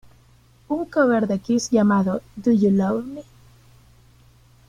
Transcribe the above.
Un "cover" de Kiss llamado "Do You Love Me?